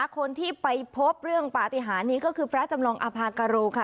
คนที่ไปพบเรื่องปฏิหารนี้ก็คือพระจำลองอภากโรค่ะ